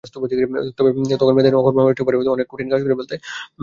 তখন মেধাহীন অকর্মা মানুষটিও পারে অনেক কঠিন কাজ করে ফেলতে।